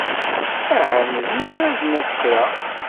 Ahat nezmer ad d-naf kra.